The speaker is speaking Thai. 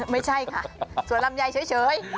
ไม่ใช่สวรรมใยเฉย